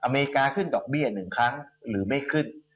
อเมริกาขึ้นดอกเบี้ย๑ครั้งหรือไม่ขึ้น